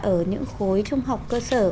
ở những khối trung học cơ sở